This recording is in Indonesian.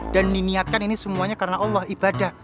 dan diniatkan ini semuanya karena allah ibadah